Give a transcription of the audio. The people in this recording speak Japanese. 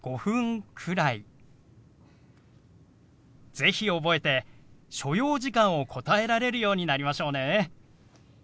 是非覚えて所要時間を答えられるようになりましょうね。